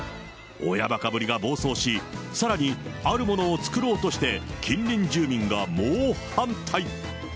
親ばかぶりが暴走し、さらに、あるものをつくろうとして、近隣住民が猛反対。